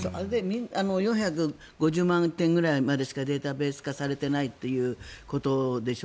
４５０万点くらいまでしかデータベース化されていないということでしょ。